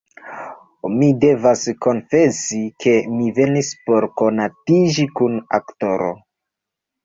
Mi devas konfesi, ke mi venis por konatiĝi kun aktoro.